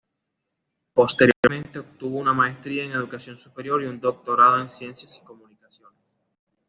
Posteriormente obtuvo una maestría en educación superior y un doctorado en ciencias y comunicaciones.